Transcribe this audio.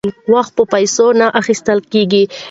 وخت په پیسو نه اخیستل کیږي.